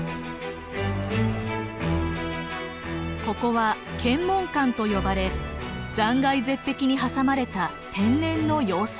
ここは剣門関と呼ばれ断崖絶壁に挟まれた天然の要塞。